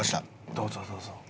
どうぞどうぞ。